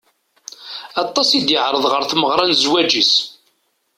Aṭas i d-iɛreḍ ɣer tmeɣra n zzwaǧ-is.